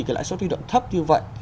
cái lãi suất huy động thấp như vậy